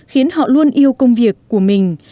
khiến họ luôn yêu công việc của mình